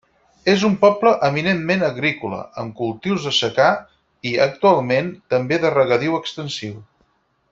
És un poble eminentment agrícola, amb cultius de secà i, actualment també de regadiu extensiu.